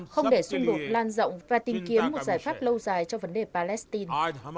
không để xung đột lan rộng và tìm kiếm một giải pháp lâu dài cho vấn đề palestine